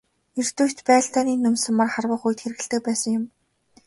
Эрт үед байлдааны нум сумаар харвах үед хэрэглэдэг байсан юм.